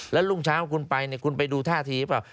แล้วรุ่งเช้าคุณไปคุณไปดูท่าทีหรือเปล่า